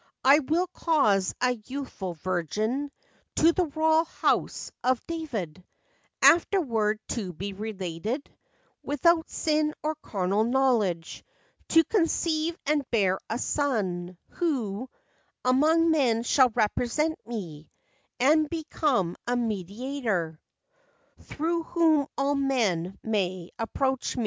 I will cause a youthful Virgin— To the royal house of David, Afterward to be related— Without sin or carnal knowledge, To conceive and bear a son, who Among men shall represent me, And become a meditator Through whom all men may approach me.